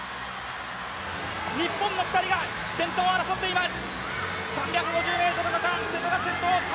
日本の２人が先頭を争っています！